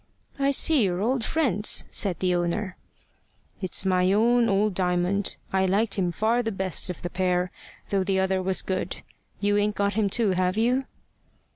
"I see you're old friends," said the owner. "It's my own old Diamond. I liked him far the best of the pair, though the other was good. You ain't got him too, have you?"